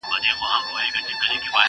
• دا کيسه غميزه انځوروي,